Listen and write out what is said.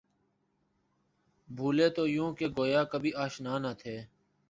بُھولے تو یوں کہ گویا کبھی آشنا نہ تھے